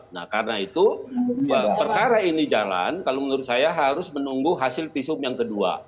nah karena itu perkara ini jalan kalau menurut saya harus menunggu hasil visum yang kedua